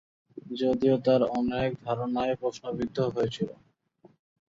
যদিও তার অনেক ধারণায় প্রশ্নবিদ্ধ হয়েছিল।